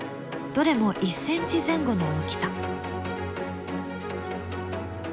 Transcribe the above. どれも１ｃｍ前後の大きさ。